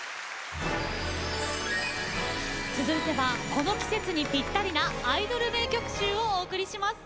続いてはこの季節にぴったりなアイドル名曲集をお送りします。